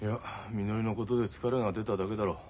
みのりのことで疲れが出ただけだろう。